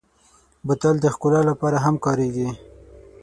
بوتل د ښکلا لپاره هم کارېږي.